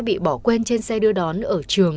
bị bỏ quên trên xe đưa đón ở trường